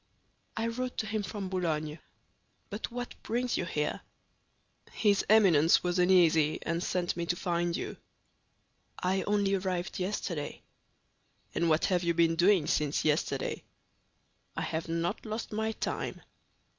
"I wrote to him from Boulogne. But what brings you here?" "His Eminence was uneasy, and sent me to find you." "I only arrived yesterday." "And what have you been doing since yesterday?" "I have not lost my time."